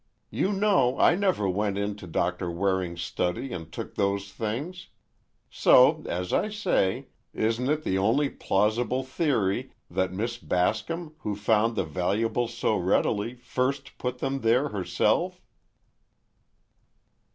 You know I never went in to Doctor Waring's study and took those things! So, as I say, isn't it the only plausible theory, that Miss Bascom, who found the valuables so readily, first put them there herself?"